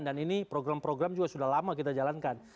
dan ini program program juga sudah lama kita jalankan